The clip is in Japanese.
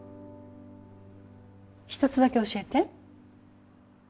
一つだけ教えて。